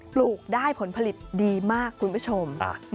ลูกได้ผลผลิตดีมากคุณผู้ชม